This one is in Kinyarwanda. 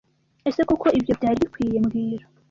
Ese koko ibyo byari bikwiye mbwira